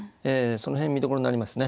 その辺見どころになりますね。